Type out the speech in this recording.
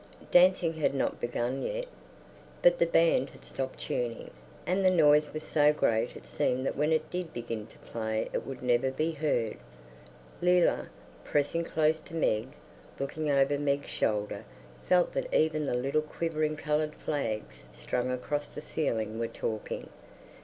Dancing had not begun yet, but the band had stopped tuning, and the noise was so great it seemed that when it did begin to play it would never be heard. Leila, pressing close to Meg, looking over Meg's shoulder, felt that even the little quivering coloured flags strung across the ceiling were talking.